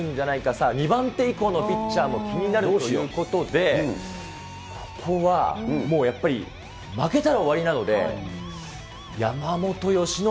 さあ、２番手以降のピッチャーも気になるということで、ここはもうやっぱり、負けたら終わりなので、あるね。